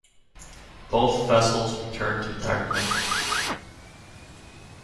Both vessels returned to Dartmouth.